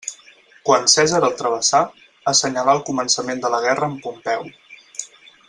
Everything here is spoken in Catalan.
Quan Cèsar el travessà, assenyalà el començament de la guerra amb Pompeu.